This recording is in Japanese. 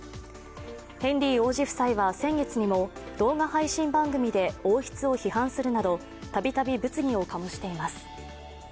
ヘンリー王子夫妻は先月にも動画配信番組で王室を批判するなど度々物議を醸しています。